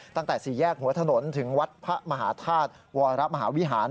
ตั้งแต่สี่แยกหัวถนนถึงวัดพระมหาธาตุวรมหาวิหาร